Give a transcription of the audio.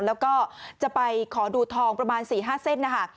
แล้วก็จะไปขอดูทองประมาณ๔๕เส้นนะคะ